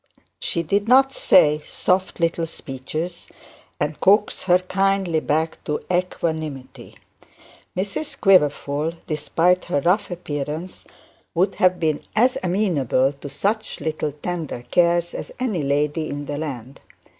She did not say soft little speeches and coax her kindly with equanimity. Mrs Quiverful, despite her rough appearance, would have been as amenable to such little tender cares as any lady in the land.